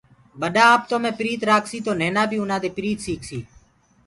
ٻڏآ آپتو مي پريت رآکسيٚ تو نهينآ آُنآ دي پريت سيٚڪسيٚ